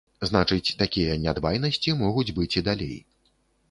Значыць, такія нядбайнасці могуць быць і далей.